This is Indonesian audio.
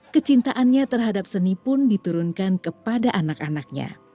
kecintaannya terhadap seni pun diturunkan kepada anak anaknya